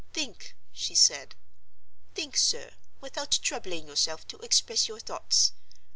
"Think," she said; "think, sir, without troubling yourself to express your thoughts.